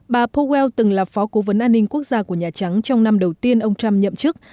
bà powell từng là phó cố vấn an ninh quốc gia của nhà trắng trong năm đầu tiên ông trump nhậm chức